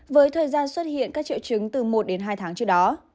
với thời gian xuất hiện các triệu chứng từ một đến hai tháng trước đó